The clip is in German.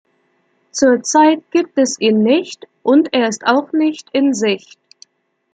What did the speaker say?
Zurzeit gibt es ihn nicht, und er ist auch nicht in Sicht.